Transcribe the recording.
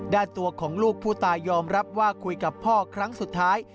ด้านตัวของลูกผู้ตายยอมรับว่าคุยกับพ่อครั้งสุดท้าย